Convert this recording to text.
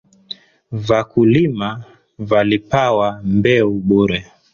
Vakulima valipawa mbeu buree